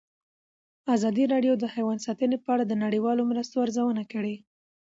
ازادي راډیو د حیوان ساتنه په اړه د نړیوالو مرستو ارزونه کړې.